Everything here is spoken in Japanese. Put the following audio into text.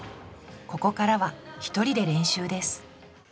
ここからは１人で練習です。